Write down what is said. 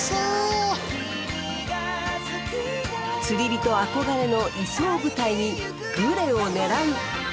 釣りびと憧れの磯を舞台にグレを狙う。